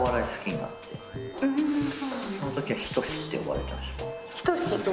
その時は「人志」って呼ばれてました。